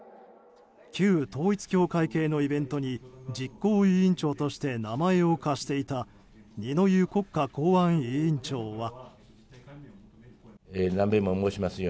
旧統一教会系のイベントに実行委員長として名前を貸していた二之湯国家公安委員長は。